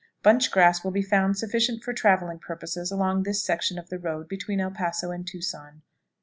Bunch grass will be found sufficient for traveling purposes along this section of the road between El Paso and Tucson.